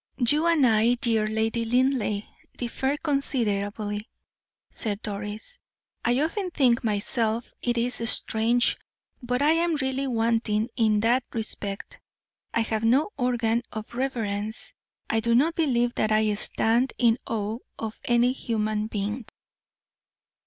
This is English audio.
"You and I, dear Lady Linleigh, differ considerably," said Doris. "I often think myself it is strange, but I am really wanting in that respect I have no organ of reverence; I do not believe that I stand in awe of any human being."